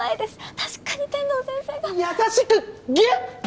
確かに天堂先生が優しくギュッ！？